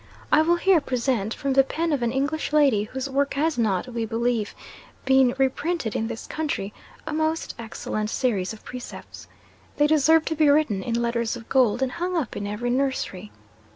I will here present, from the pen of an English lady, whose work has not, we believe, been re printed in this country, a most excellent series of precepts. They deserve to be written in letters of gold, and hung up in every nursery.